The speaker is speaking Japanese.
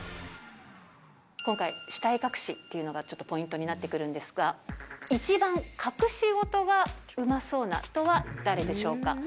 今回、死体隠しっていうのがちょっとポイントになってくるんですが、一番隠し事がうまそうな人は誰でしょうか。